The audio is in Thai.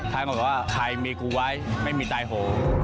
ท่านก็บอกว่าใครมีกูไว้ไม่มีใจโห